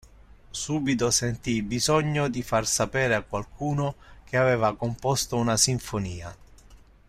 Subito sentì il bisogno di far sapere a qualcuno che aveva composto una sinfonia.